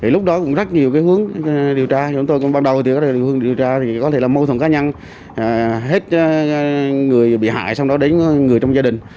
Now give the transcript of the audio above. lúc đó cũng rất nhiều hướng điều tra chúng tôi cũng ban đầu hướng điều tra có thể là mâu thuẫn cá nhân hết người bị hại xong đó đến người trong gia đình